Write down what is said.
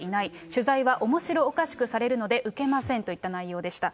取材はおもしろおかしくされるので、受けませんといった内容でした。